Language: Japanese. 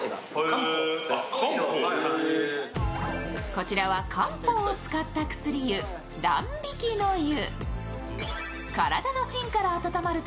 こちらは漢方を使った薬湯・蘭引きの湯。